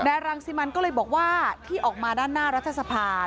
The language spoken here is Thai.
รังสิมันก็เลยบอกว่าที่ออกมาด้านหน้ารัฐสภา